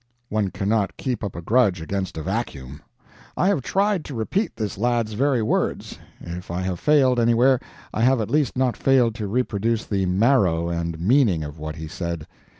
One cannot keep up a grudge against a vacuum. I have tried to repeat this lad's very words; if I have failed anywhere I have at least not failed to reproduce the marrow and meaning of what he said.